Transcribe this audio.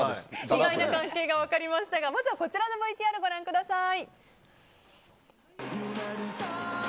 意外な関係が分かりましたがまずはこちらのＶＴＲご覧ください。